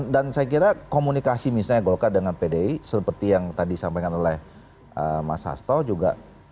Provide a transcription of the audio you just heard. dan saya kira komunikasi misalnya golkar dengan pdi seperti yang tadi disampaikan oleh mas hasto juga